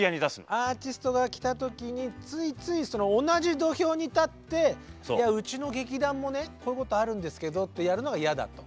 アーティストが来た時についついその同じ土俵に立ってうちの劇団もねこういうことあるんですけどってやるのが嫌だと。